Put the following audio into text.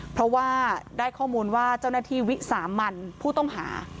เพราะว่าได้ข้อมูลว่าเจ้าหน้าที่วิสามันผู้ต้องหา